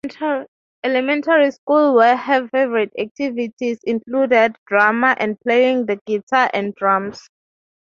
Elementary School, where her favorite activities included drama and playing the guitar and drums.